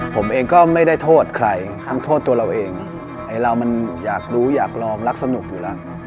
ผมเองก็ไม่ได้โทษใครทั้งโทษตัวเราเองไอ้เรามันอยากรู้อยากลองรักสนุกอยู่แล้ว